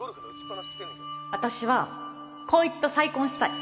私は紘一と再婚したい。